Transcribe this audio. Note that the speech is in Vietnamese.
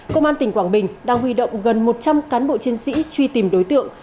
công an tỉnh quảng bình đang huy động gần một trăm linh cán bộ chiến sĩ truy tìm đối tượng